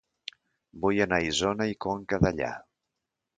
Vull anar a Isona i Conca Dellà